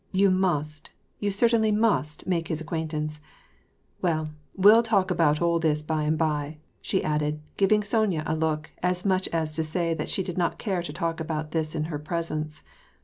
You must, you certainly must, make his acquaintance. Well, we'll talk about all this by and by," she added, giving Sonya a look, as much as to say that she did not care to talk about this in her presence.